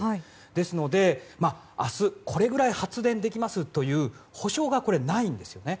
ですので、明日これぐらい発電できますという保証がないんですよね。